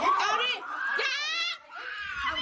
บอกแล้วบอกแล้วบอกแล้ว